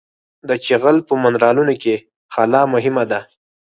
د جغل په منرالونو کې خلا مهمه ده